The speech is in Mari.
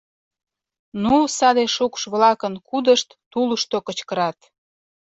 — Ну, саде шукш-влакын — кудышт тулышто кычкырат.